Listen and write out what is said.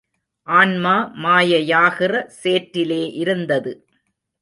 ஆன்மா மாயையாகிற சேற்றிலே இருந்தது.